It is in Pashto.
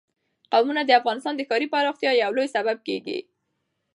قومونه د افغانستان د ښاري پراختیا یو لوی سبب کېږي.